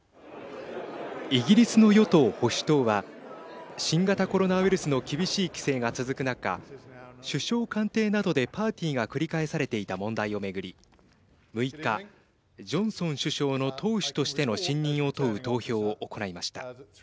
イギリスの与党・保守党は新型コロナウイルスの厳しい規制が続く中首相官邸などでパーティーが繰り返されていた問題を巡り６日、ジョンソン首相の党首としての信任を問う投票を行いました。